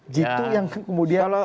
jitu yang kemudian